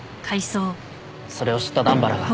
それを知った段原が。